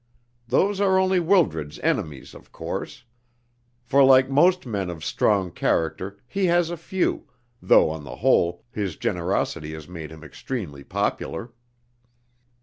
Those are only Wildred's enemies, of course, for like most men of strong character he has a few, though on the whole his generosity has made him extremely popular."